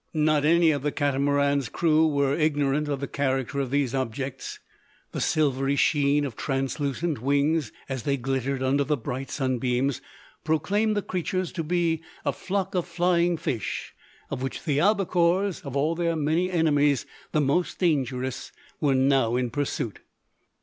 Not any of the Catamaran's crew were ignorant of the character of these objects. The silvery sheen of translucent wings, as they glittered under the bright sunbeams, proclaimed the creatures to be a "flock" of flying fish, of which the albacores of all their many enemies the most dangerous were now in pursuit.